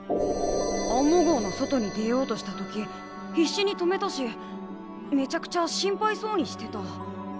アンモ号の外に出ようとした時必死に止めたしめちゃくちゃ心配そうにしてた。